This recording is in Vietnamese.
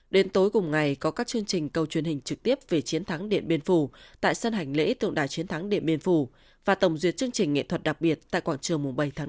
đến tối cùng ngày có các chương trình câu truyền hình trực tiếp về chiến thắng điện biên phủ tại sân hành lễ tượng đài chiến thắng điện biên phủ và tổng duyệt chương trình nghệ thuật đặc biệt tại quảng trường bảy tháng năm